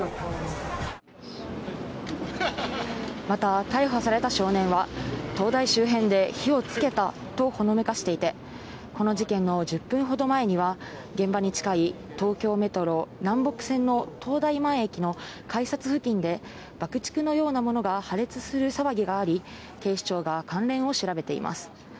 また逮捕された少年は、東大周辺で火をつけたとほのめかしていて、この事件の１０分ほど前には現場に近い東京メトロ南北線の東大前駅の改札付近で、爆竹のようなものが破裂する騒ぎがあり、警視庁が関連を調べています。